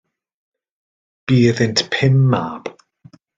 Bu iddynt pum mab.